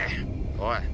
おい！